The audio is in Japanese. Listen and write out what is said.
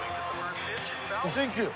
サンキュー。